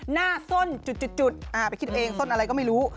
หน้าส้นจุดไปคิดเองส้นอะไรก็ไม่รู้